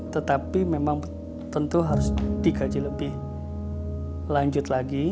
tetapi memang tentu harus dikaji lebih lanjut lagi